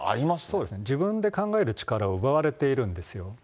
そうですね、自分で考える力を奪われているんですよ。